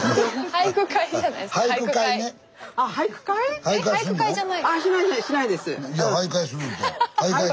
俳句会じゃない？